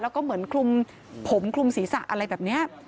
แล้วก็เหมือนคลุมผมคลุมศีรษะอะไรแบบนี้